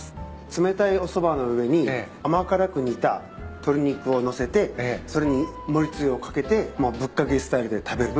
冷たいおそばの上に甘辛く煮た鶏肉を載せてそれに麺つゆを掛けてぶっ掛けスタイルで食べる。